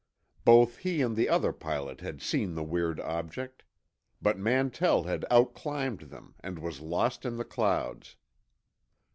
Both he and the other pilot had seen the weird object. But Mantell had outclimbed them and was lost in the clouds.